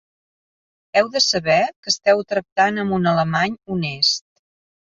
Heu de saber que esteu tractant amb un alemany honest...